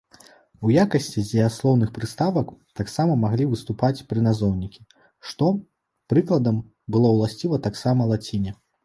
У якасці дзеяслоўных прыставак таксама маглі выступаць прыназоўнікі, што, прыкладам, было ўласціва таксама лаціне.